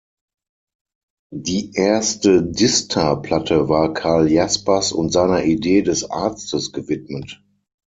Die erste "Distar"-Platte war Karl Jaspers und seiner „Idee des Arztes“ gewidmet.